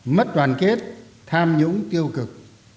mất toàn kết tham nhũng tiêu cực